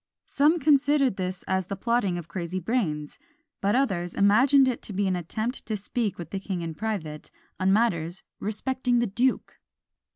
Some considered this as the plotting of crazy brains, but others imagined it to be an attempt to speak with the king in private, on matters respecting the duke.